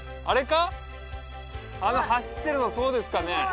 あの走ってるのそうですかね？